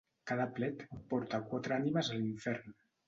Cada plet porta quatre ànimes a l'infern.